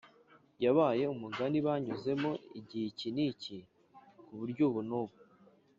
yabaye umugani banyuzemo igihe iki n’iki, ku buryo ubu n’ubu